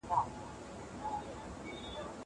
زه وخت نه نيسم!!